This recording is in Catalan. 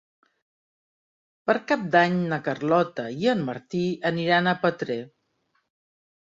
Per Cap d'Any na Carlota i en Martí aniran a Petrer.